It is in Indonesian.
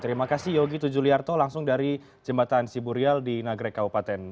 terima kasih yogi tujuliarto langsung dari jembatan ciburial di nagrek kabupaten